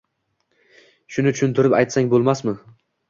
Shuni tushuntirib aytsang bo’lmasmi?